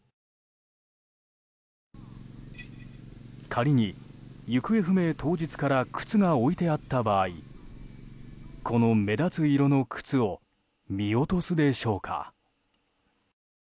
仮に、行方不明当日から靴が置いてあった場合この目立つ色の靴を見落とすでしょうか？